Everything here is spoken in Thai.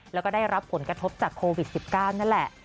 แล้วก็ได้รับผลกระทบจากโควิด๑๙นั่นแหละ